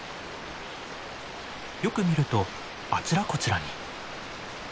よく見るとあちらこちらに。